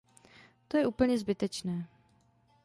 To je úplně zbytečné.